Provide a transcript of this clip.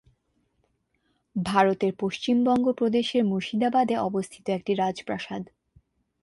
ভারতের পশ্চিমবঙ্গ প্রদেশের মুর্শিদাবাদে অবস্থিত একটি রাজপ্রাসাদ।